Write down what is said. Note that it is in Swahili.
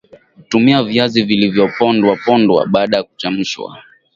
Tumia viazi vilivyopondwa pondwa baada ya kuchemshwa